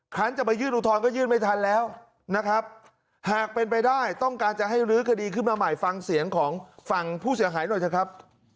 ครั้งจะไปยื่นอุทธรณก็ยื่นไม่ทันแล้วนะครับหากเป็นไปได้ต้องการจะให้ลื้อคดีขึ้นมาใหม่ฟังเสียงของฝั่งผู้เสียหายหน่อยเถอะครับ